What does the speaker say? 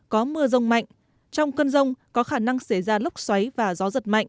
có mưa rông mạnh trong cơn rông có khả năng xảy ra lốc xoáy và gió giật mạnh